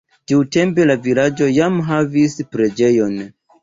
Tiutempe la vilaĝo jam havis preĝejon.